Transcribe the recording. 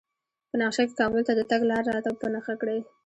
په نقشه کې کابل ته د تګ لار راته په نښه کړئ